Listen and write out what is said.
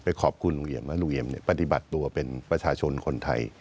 ขอบคุณลุงเอี่ยมและลุงเอี่ยมปฏิบัติตัวเป็นประชาชนคนไทย